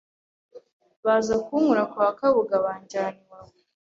baza kunkura kwa kabuga banjyana iwawa